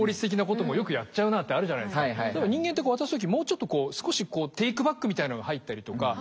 かなり僕らって人間って渡す時もうちょっとこう少しテイクバックみたいなのが入ったりとか。